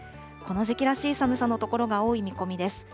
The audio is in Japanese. この時期らしい寒さの所が多い見込みです。